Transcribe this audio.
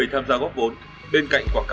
thì họ sẽ làm được